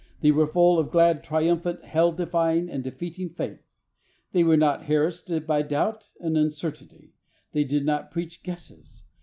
They were full of glad, triumphant Hell defying and defeating faith. They were not harassed by doubt and uncertainty. They did not preach guesses.